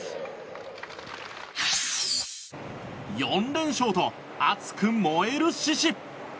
４連勝と、熱く燃える獅子。